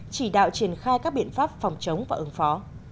chỉ đạo triển khai các biện pháp phòng chống và ứng phó